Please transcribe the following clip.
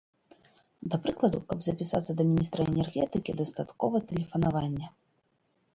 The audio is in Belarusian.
Да прыкладу, каб запісацца да міністра энергетыкі, дастаткова тэлефанавання.